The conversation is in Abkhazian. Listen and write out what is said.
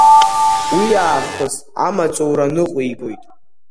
Уи аахыс амаҵура ныҟәигоит.